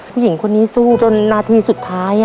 ผู้หญิงคนนี้สู้จนนาทีสุดท้าย